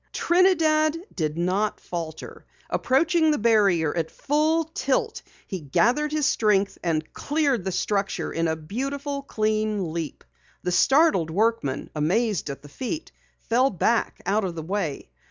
Trinidad did not falter. Approaching the barrier at full tilt, he gathered his strength, and cleared the structure in a beautiful, clean leap. The startled workmen, amazed at the feat, fell back out of the way.